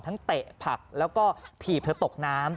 เตะผักแล้วก็ถีบเธอตกน้ำ